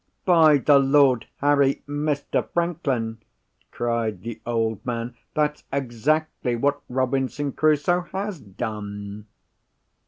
"By the lord Harry, Mr. Franklin!" cried the old man, "that's exactly what Robinson Crusoe has done!"